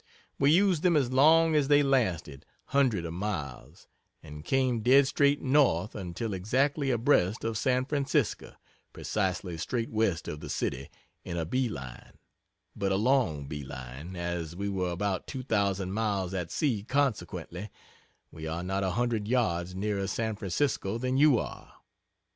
We used them as long as they lasted hundred of miles and came dead straight north until exactly abreast of San Francisco precisely straight west of the city in a bee line but a long bee line, as we were about two thousand miles at sea consequently, we are not a hundred yards nearer San Francisco than you are.